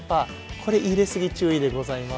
これ入れ過ぎ注意でございます。